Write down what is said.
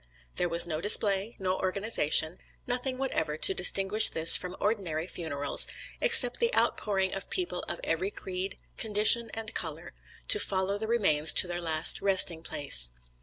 There was no display, no organization, nothing whatever to distinguish this from ordinary funerals, except the outpouring of people of every creed, condition, and color, to follow the remains to their last resting place.